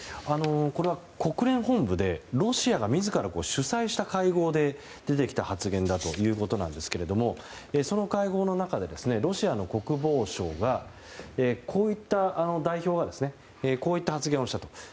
これは国連本部でロシアが自ら主催した会合で出てきた発言だということなんですがその会合の中でロシアの国防相がこういった発言をしたと。